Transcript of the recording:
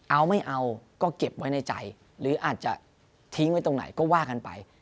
เอาไม่เอาก็เก็บไว้ในใจหรืออาจจะทิ้งไว้ตรงไหนก็ว่ากันไป